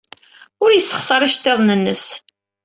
Ur yessexṣar iceḍḍiḍen-nnes.